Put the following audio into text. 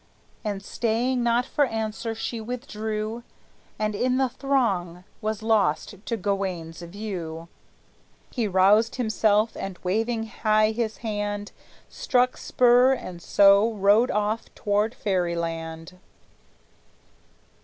And, staying not for answer, she withdrew, And in the throng was lost to Gawayne's view. He roused himself, and waving high his hand, Struck spur, and so rode off toward Fairyland.